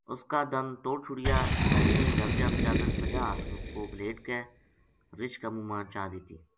اس کا دند توڑ چھُڑیا اسرائیل نے جھب جھب چادر سجا ہتھ پو بھلیٹ کے رچھ کا منہ ما چا دتی